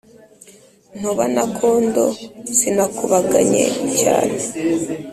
Ntoba n ' akondo sinakubaganye cyane